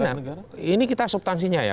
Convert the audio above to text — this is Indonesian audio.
nah ini kita subtansinya ya